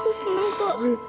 aku silah pak